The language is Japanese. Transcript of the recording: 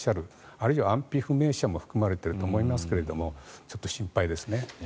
あるいは安否不明者も含まれていると思いますがちょっと心配ですね。